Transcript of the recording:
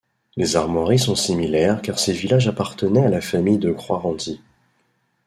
Les armoiries sont similaires car ces villages appartenaient à la famille de Croÿ-Renty.